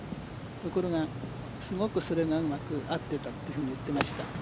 ところが、すごくそれがうまく合っていたと言っていました。